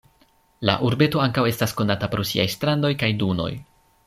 La urbeto ankaŭ estas konata pro siaj strandoj kaj dunoj.